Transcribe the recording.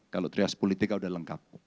kalau terlihat sepuluh tiga udah lengkap